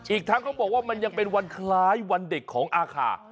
อีกทั้งเขาบอกว่ามันยังเป็นวันคล้ายวันเด็กของอาคา